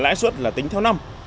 lãi suất trong hạn là tính theo năm